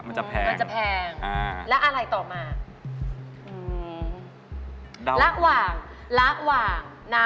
มันจะแพงมันจะแพงอ่าแล้วอะไรต่อมาอืมระหว่างระหว่างนะ